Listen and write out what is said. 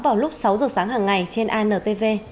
vào lúc sáu h sáng hàng ngày trên antv